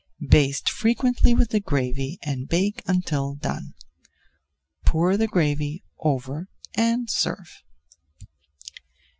Baste frequently with the gravy and bake until done. Pour the gravy over and serve.